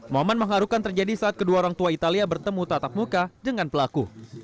momen mengharukan terjadi saat kedua orang tua italia bertemu tatap muka dengan pelaku